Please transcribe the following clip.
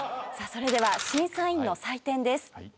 それでは審査員の採点です。